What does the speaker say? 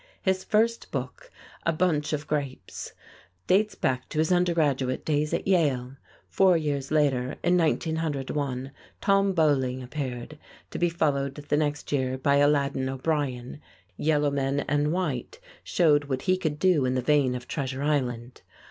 His first book, "A Bunch of Grapes," dates back to his undergraduate days at Yale. Four years later, in 1901, "Tom Beauling" appeared, to be followed the next year by "Aladdin O'Brien." "Yellow Men and White" showed what he could do in the vein of "Treasure Island."